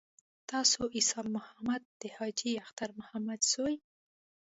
تاسو عیسی محمد د حاجي اختر محمد زوی.